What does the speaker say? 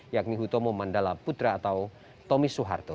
yakni hutomo mandala putra atau tommy suharto